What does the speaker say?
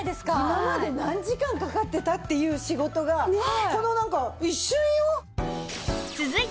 今まで何時間かかってた？っていう仕事がこのなんか一瞬よ！